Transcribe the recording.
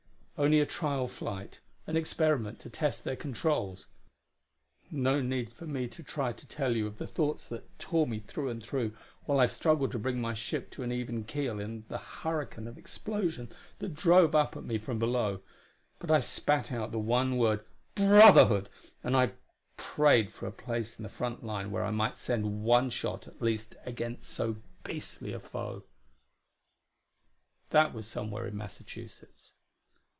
Only a trial flight an experiment to test their controls! No need for me to try to tell you of the thoughts that tore me through and through while I struggled to bring my ship to an even keel in the hurricane of explosion that drove up at me from below. But I spat out the one word: "Brotherhood!" and I prayed for a place in the front line where I might send one shot at least against so beastly a foe. That was somewhere in Massachusetts.